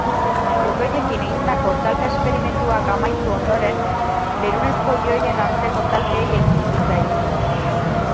Protoiekin egindako talka-esperimentuak amaitu ondoren, berunezko ioien arteko talkei ekin zitzaien.